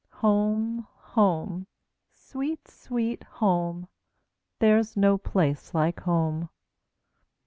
Home! home! sweet, sweet home! There 's no place like home!